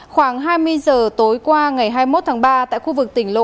khoảng hai mươi giờ tối qua ngày hai mươi một tháng ba tại khu vực tỉnh lộ